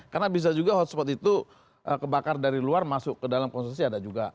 karena bisa juga hotspot itu kebakar dari luar masuk ke dalam konsesi ada juga